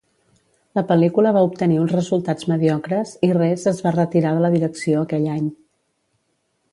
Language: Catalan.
La pel·lícula va obtenir uns resultats mediocres i Rees es va retirar de la direcció aquell any.